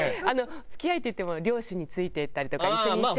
付き合いっていっても両親についていったりとか一緒に行って。